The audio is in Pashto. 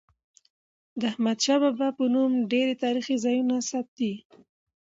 د احمدشاه بابا په نوم ډیري تاریخي ځایونه ثبت دي.